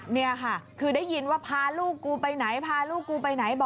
แบบนี้นะครับ